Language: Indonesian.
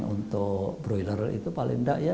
untuk broiler itu paling enggak